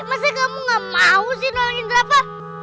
masa kamu gak mau sih nolongin rafa